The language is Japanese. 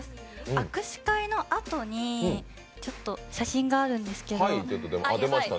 握手会のあとに写真があるんですけど。